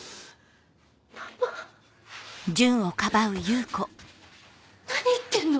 パパ何言ってんの？